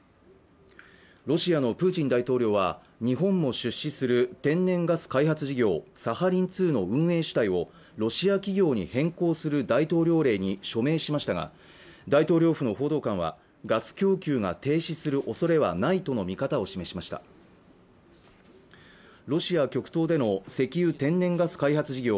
ロシアのプーチン大統領は日本も出資する天然ガス開発事業サハリン２の運営主体をロシア企業に変更する大統領令に署名しましたが大統領府の報道官はガス供給が停止する恐れはないとの見方を示しましたロシア極東での石油天然ガス開発事業